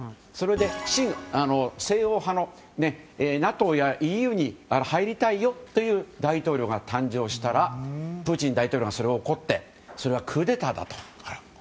そして、親西欧派のＮＡＴＯやＥＵに入りたいよという大統領が誕生したら、プーチン大統領がそれに怒ってそれはクーデターだと。